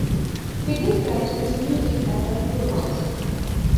He describes his music as electro-noise.